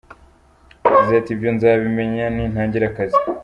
Yagize ati “Ibyo nzabimenya nintangira akazi.